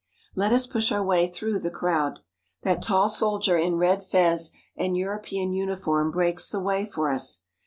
Let us push our way through the crowd. That tall soldier in red fez and European uniform breaks the way for us.